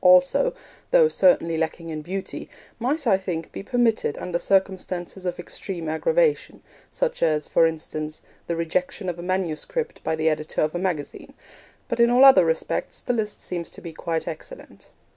also, though certainly lacking in beauty, might, I think, be permitted under circumstances of extreme aggravation, such as, for instance, the rejection of a manuscript by the editor of a magazine; but in all other respects the list seems to be quite excellent.